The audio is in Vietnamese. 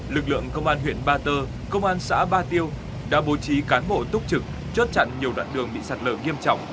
lực lượng công an huyện ba tơ công an xã ba tiêu đã bố trí cán bộ túc trực chốt chặn nhiều đoạn đường bị sạt lở nghiêm trọng